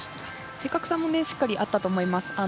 正確さもしっかりあったと思います。